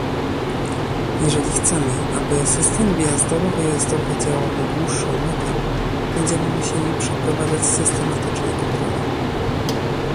jeżeli chcemy, aby system wjazdowo-wyjazdowy działał na dłuższą metę, będziemy musieli przeprowadzać systematyczne kontrole